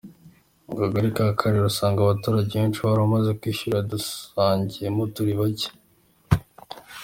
Mu kagari ka Karera usanga abaturage benshi baramaze kwishyurwa dusigayemo turi bacye.